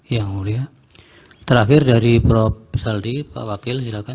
yang mulia terakhir dari prof saldi pak wakil silakan